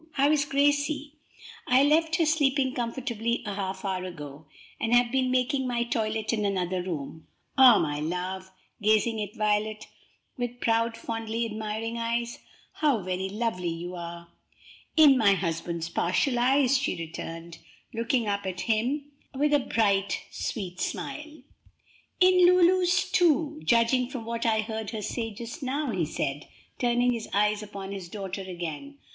How is Gracie?" "I left her sleeping comfortably a half hour ago, and have been making my toilet in another room. Ah, my love!" gazing at Violet with proud, fondly admiring eyes, "how very lovely you are!" "In my husband's partial eyes," she returned, looking up at him with a bright, sweet smile. "In Lulu's, too, judging from what I heard her say just now," he said, turning his eyes upon his daughter again.